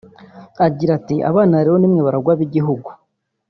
Agira ati “Abana rero ni mwe baragwa b’igihugu